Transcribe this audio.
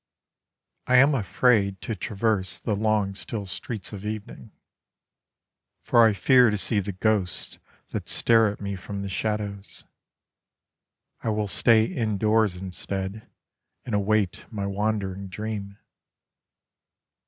I am afraid to traverse the long still streets of evening; For I fear to see the ghosts that stare at me From the shadows. I will stay indoors instead and await my wandering dream.